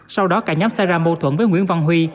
sau đó cả nhóm xảy ra mâu thuẫn với nguyễn văn huy